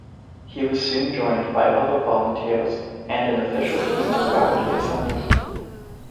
He soon was joined by other volunteers, and an official team was rapidly assembled.